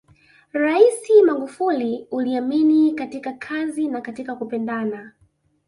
Rais Magufuli uliamini katika kazi na katika kupendana